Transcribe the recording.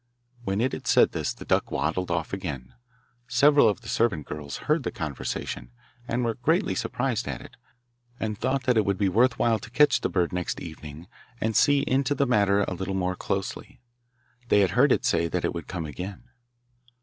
When it had said this the duck waddled off again. Several of the servant girls heard the conversation, and were greatly surprised at it, and thought that it would be worth while to catch the bird next evening and see into the matter a little more closely. They had heard it say that it would come again.